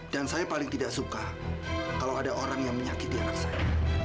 dan saya paling tidak suka kalau ada orang yang menyakiti anak saya